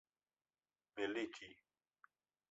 militi